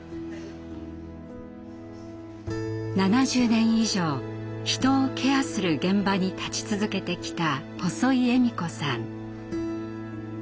７０年以上人をケアする現場に立ち続けてきた細井恵美子さん。